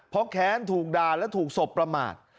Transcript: เพราะแค้นถูกด่าและถูกศพประมาท